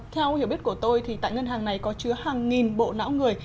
theo hiểu biết của tôi thì tại ngân hàng này có chứa hàng nghìn bộ não người